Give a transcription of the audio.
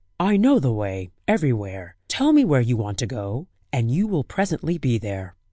I know the way everywhere; tell me where you want to go, and you will presently be there."